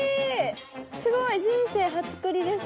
すごい人生初栗です